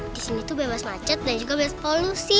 di sini tuh bebas macet dan juga bebas polusi